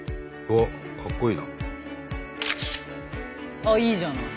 あっいいじゃない。